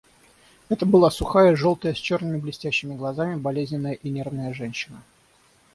Это была сухая, желтая, с черными блестящими глазами, болезненная и нервная женщина.